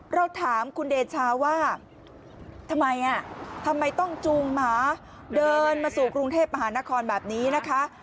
เราถามคุณเดชาว่าทำไมทำไมต้องจูงหมาเดินมาสู่กรุงเทพมหานครแบบนี้นะคะ